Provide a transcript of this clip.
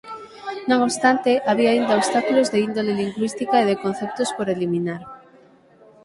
Non obstante había aínda obstáculos de índole lingüística e de conceptos por eliminar.